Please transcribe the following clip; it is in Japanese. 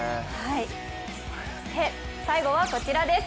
最後はこちらです。